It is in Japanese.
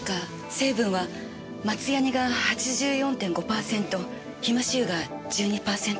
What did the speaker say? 成分は松ヤニが８４．５パーセントヒマシ油が１２パーセント。